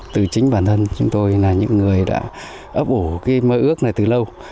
từ chính bản thân chúng tôi là những người đã ấp ủ cái mơ ước này từ lâu